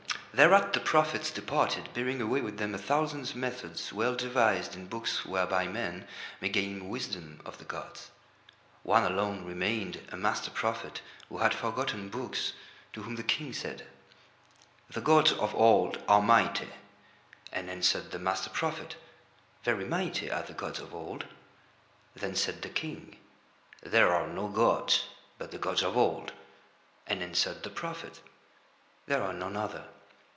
Thereat the prophets departed, bearing away with them a thousand methods well devised in books whereby men may gain wisdom of the gods. One alone remained, a master prophet, who had forgotten books, to whom the King said: "The gods of Old are mighty." And answered the master prophet: "Very mighty are the gods of Old." Then said the King: "There are no gods but the gods of Old." And answered the prophet: "There are none other."